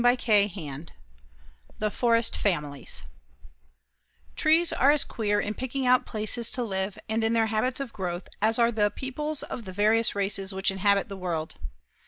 CHAPTER II THE FOREST FAMILIES Trees are as queer in picking out places to live and in their habits of growth as are the peoples of the various races which inhabit the world.